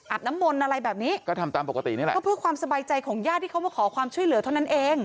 น้ำมนต์อะไรแบบนี้ก็ทำตามปกตินี่แหละก็เพื่อความสบายใจของญาติที่เขามาขอความช่วยเหลือเท่านั้นเอง